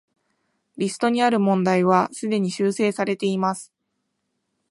リストにある問題はすでに修正されています